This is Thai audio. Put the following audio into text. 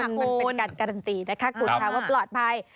มันเป็นการการันตีนะคะคุณค่ะว่าปลอดภัย